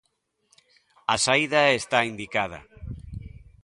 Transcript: A saída está indicada.